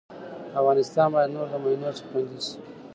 افغانستان بايد نور د مينو څخه خوندي سي